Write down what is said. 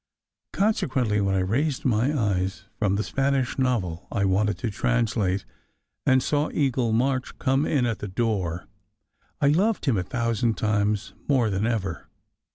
Consequently, when I raised my eyes from the Spanish novel I wanted to translate, and saw Eagle March come in at the door, I loved him a thousand times more than ever.